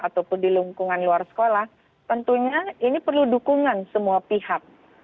ataupun di lingkungan luar sekolah tentunya ini perlu dukungan semua pihak